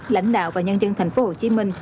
lãnh đạo và nhân dân thành phố hồ chí minh